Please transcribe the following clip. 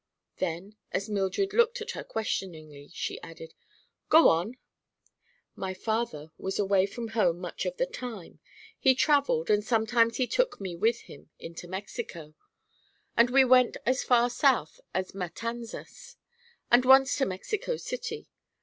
Then, as Mildred looked at her questioningly, she added: "Go on." "My father was away from home much of the time. He traveled, and sometimes he took me with him into Mexico, and we went as far south as Matanzas, and once to Mexico City.